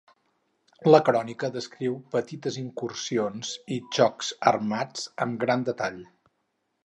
La crònica descriu petites incursions i xocs armats amb gran detall.